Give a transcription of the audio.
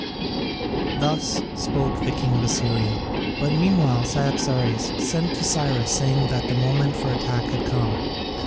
Thus spoke the king of Assyria. But meanwhile Cyaxares sent to Cyrus saying that the moment for attack had come.